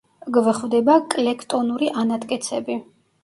გვხვდება კლექტონური ანატკეცები.